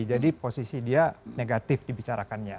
jadi posisi dia negatif dibicarakannya